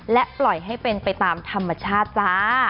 และปล่อยให้เป็นไปตามธรรมชาติจ้า